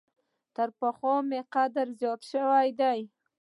تر پخوا مي قدر زیات شوی دی .